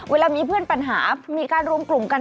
เวลามีเพื่อนปัญหามีการรวมกลุ่มกัน